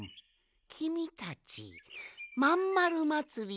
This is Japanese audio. きみたち「まんまるまつり」